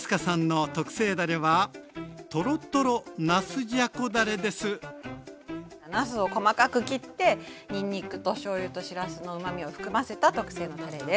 続いてなすを細かく切ってにんにくとしょうゆとしらすのうまみを含ませた特製のたれです。